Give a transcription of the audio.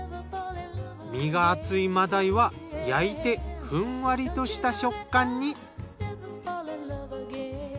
身が厚い真鯛は焼いてふんわりとした食感に。